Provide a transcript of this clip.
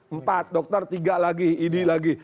empat dokter tiga lagi idi lagi